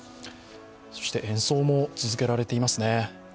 そして演奏も続けられていますね。